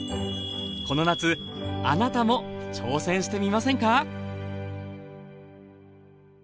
この夏あなたも挑戦してみませんか？